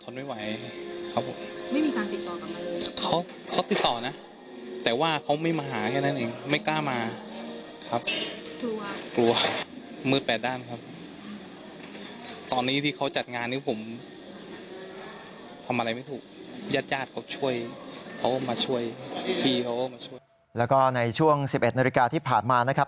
แล้วก็ในช่วง๑๑นาฬิกาที่ผ่านมานะครับ